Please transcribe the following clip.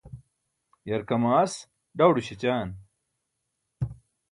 yarkamaas ḍawḍo śećan